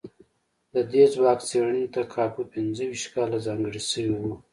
د دې ځواک څېړنې ته کابو پينځو ويشت کاله ځانګړي شوي وو.